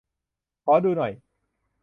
ขอดูหน่อย